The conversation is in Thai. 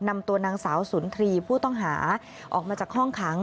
นำตัวนางสาวสุนทรีย์ผู้ต้องหาออกมาจากห้องขัง